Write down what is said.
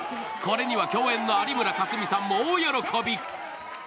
これには共演の有村架純さんも大喜び。